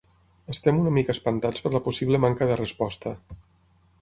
Estem una mica espantats per la possible manca de resposta.